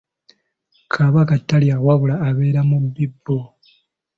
Kabaka talya wabula abeera mu bibbo.